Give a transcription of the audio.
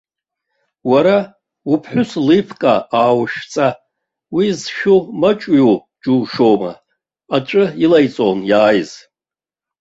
Уара, уԥхәыс лиԥка ааушәҵа, уи зшәу маҷҩу џьушьома, аҵәы илаиҵон иааиз.